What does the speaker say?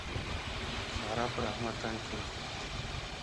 سارا پر احمد تن کېښود.